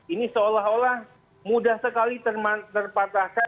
ini seolah olah mudah sekali terpatahkan